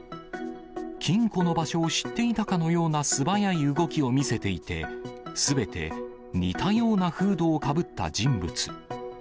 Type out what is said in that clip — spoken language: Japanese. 金庫の場所を知っていたかのような素早い動きを見せていて、すべて似たようなフードをかぶった人物。